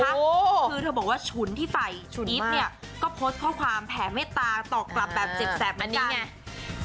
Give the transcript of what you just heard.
คือเธอบอกว่าฉุนที่ไฟอีฟเนี่ยก็โพสต์ข้อความแผงไม่ตาต่อกลับแบบจิบแซบเหมือนกัน